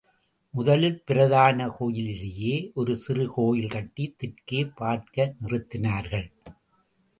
முதலில் பிரதான கோயிலிலேயே ஒரு சிறு கோயில் கட்டி தெற்கே பார்க்க நிறுத்தினார்கள்.